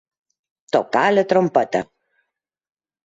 Tocar la trompeta.